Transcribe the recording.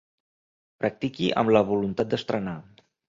Practiqui amb la voluntat d'estrenar.